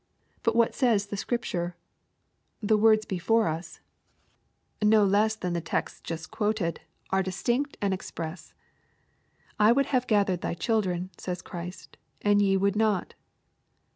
But what says the Bcripture ? The words before us, no less than the texts LUKE^ CHAP. Xni. I4l just quoted, are distinct and express. " I would have gathered thy children," says Christ, " and ye would not.